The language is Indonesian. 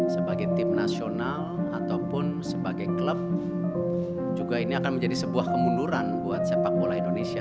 sebagai tim nasional ataupun sebagai klub juga ini akan menjadi sebuah kemunduran buat sepak bola indonesia